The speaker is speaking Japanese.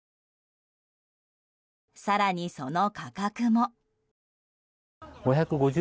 更に、その価格も。